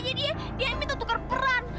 jadi dia dia yang minta tukar peran